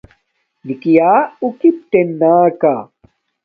نِکِݵ یݳ اُݸ کݵپٹݵن نݳکݳ.